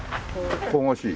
神々しい？